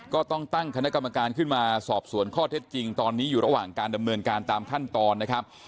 ก็ต้องตั้งคณะกรรมการขึ้นมาสอบสวนข้อเท็จจริงตอนนี้อยู่ระหว่างการดำเนินการตามขั้นตอนนะครับ